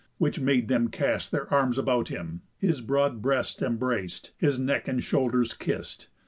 Which made them cast Their arms about him, his broad breast embrac'd, His neck and shoulders kiss'd.